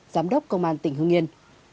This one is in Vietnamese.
giám đốc công an tỉnh hương yên